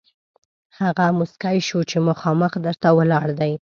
هغه موسکی شو چې مخامخ در ته ولاړ دی.